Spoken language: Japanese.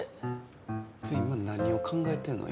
ちょ今何を考えてんの？